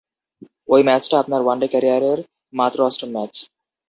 ওই ম্যাচটা আপনার ওয়ানডে ক্যারিয়ারের মাত্র অষ্টম ম্যাচ।